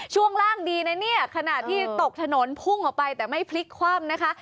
ช่วงล่างดีนะเนี่ยขณะที่ตกถนนพุ่งออกไปแต่ไม่พลิกคว่ำนะคะ